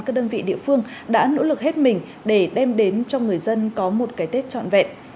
các đơn vị địa phương đã nỗ lực hết mình để đem đến cho người dân có một cái tết trọn vẹn